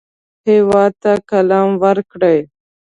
هېواد ته قلم ورکړئ